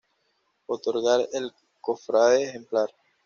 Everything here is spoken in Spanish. Otorgar el "cofrade ejemplar"